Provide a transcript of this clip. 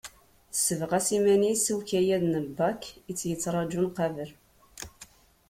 Tessebɣas iman-is i ukayad n lbak i tt-yettraǧun qabel.